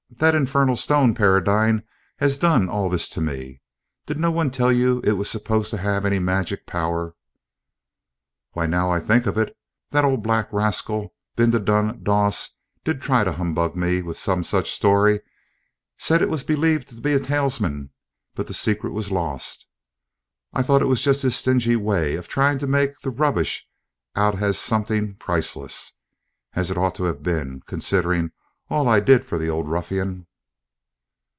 That infernal stone, Paradine, has done all this to me. Did no one tell you it was supposed to have any magic power?" "Why, now I think of it, that old black rascal, Bindabun Doss, did try to humbug me with some such story; said it was believed to be a talisman, but the secret was lost. I thought it was just his stingy way of trying to make the rubbish out as something priceless, as it ought to have been, considering all I did for the old ruffian."